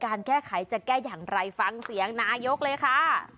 การแก้ไขจะแก้อย่างไรฟังเสียงนายกเลยค่ะ